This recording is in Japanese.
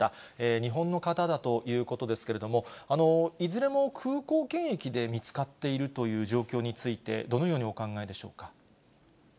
日本の方だということですけれども、いずれも空港検疫で見つかっているという状況について、どのようにお考えでしょうか。